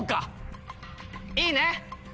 いいね？